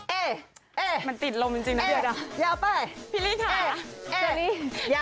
เอ๊ะเอ๊ะมันติดลงจริงจริงนะเดี๋ยวนะ